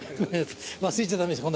忘れちゃ駄目でしょ。